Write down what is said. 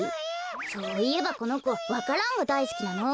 そういえばこのこわか蘭がだいすきなの。